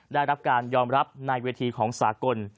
ได้รับการยอมรับในเวทีของสากล